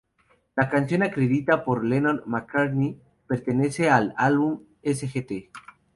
La canción acreditada por Lennon—McCartney pertenece al álbum "Sgt.